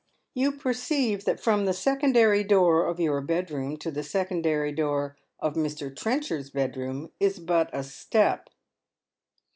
You percyjive that from the secondary door of your bedroom to the •econdary door of Mr. Trenchard's bedroom is but a step."